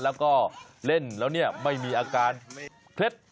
แล้วก็เล่นแล้วเนี่ยไม่มีอาการเคล็ด